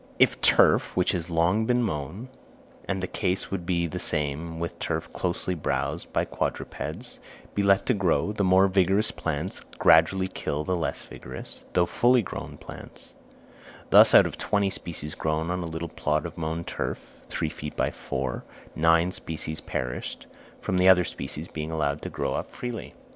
If turf which has long been mown, and the case would be the same with turf closely browsed by quadrupeds, be let to grow, the more vigorous plants gradually kill the less vigorous, though fully grown plants; thus out of twenty species grown on a little plot of mown turf (three feet by four) nine species perished, from the other species being allowed to grow up freely.